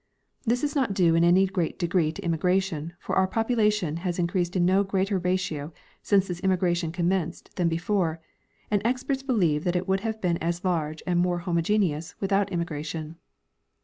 This is, not due in any great degree to immigration, for our population has in creased in no greater ratio since this immigration commenced than before, and experts believe that it would have been as large and more homogeneous without immigration.